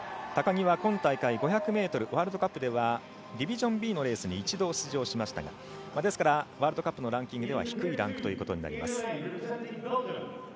高木は今大会、５００ｍワールドカップではディビジョンＤのレースに一度出場しましたがワールドカップのランキングでは低いランキングとなります。